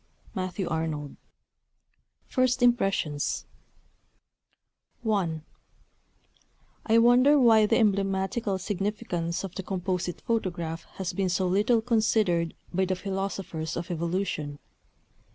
MATTHEW ARNOLD. First Impressions I I wonder why the emblematical significance of the Composite Photograph has been so little considered by the philosophers of evolution.